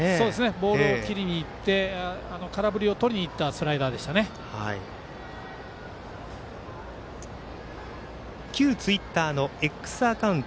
ボールを切りにいって空振りをとりにいった旧ツイッターのＸアカウント